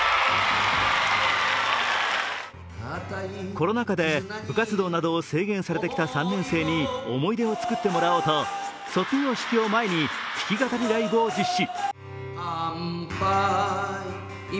コロナ禍で部活動などを制限されてきた３年生に思い出を作ってもらおうと、卒業式を前に弾き語りライブを実施。